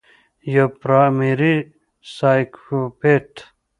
يوه پرائمري سايکوپېت